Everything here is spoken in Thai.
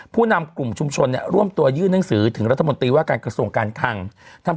ผู้นำกลุ่มชุมชนเนี่ยร่วมตัวยื่นหนังสือถึงรัฐมนตรีว่าการกระทรวงการคัง